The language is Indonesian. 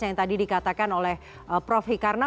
yang tadi dikatakan oleh prof hikarna